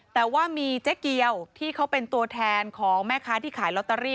แต่ว่ามีเจ๊เกียวที่เขาเป็นตัวแทนของแม่ค้าที่ขายลอตเตอรี่